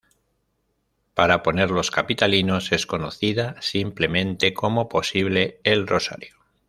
Para ponerlos capitalinos es conocida simplemente como posible El Rosario.